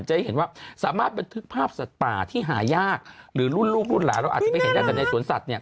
จะเห็นว่าสามารถบันทึกภาพสัตว์ป่าที่หายากหรือรุ่นลูกรุ่นหลานเราอาจจะไม่เห็นได้แต่ในสวนสัตว์เนี่ย